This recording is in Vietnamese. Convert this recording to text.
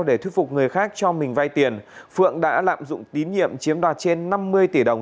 để thuyết phục người khác cho mình vay tiền phượng đã lạm dụng tín nhiệm chiếm đoạt trên năm mươi tỷ đồng